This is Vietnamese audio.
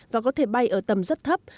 và có thể bay ở tầm rất thấp